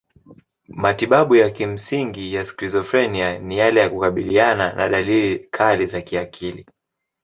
Matibabu ya kimsingi ya skizofrenia ni yale ya kukabiliana na dalili kali za kiakili.